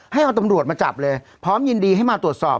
ให้เอาตำรวจมาจับเลยพร้อมยินดีให้มาตรวจสอบ